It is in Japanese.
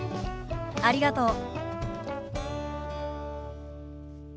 ありがとう。